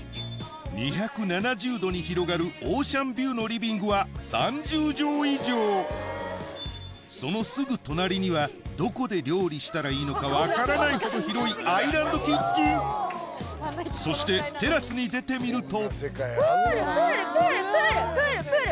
２７０度に広がるオーシャンビューのリビングは３０畳以上そのすぐ隣にはどこで料理したらいいのか分からないほど広いアイランドキッチンそしてテラスに出てみるとプールプール！